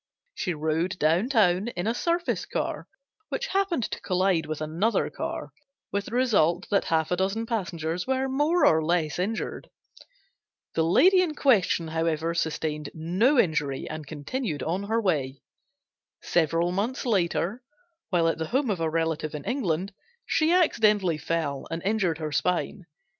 She rode down town in a surface car which happened to collide with another car, with the result that half a dozen passengers were more or less injured. The lady in question, however, sustained no injury and continued on her way. Several months later, while at the home of a relative in England, she accidentally fell and injured her spine.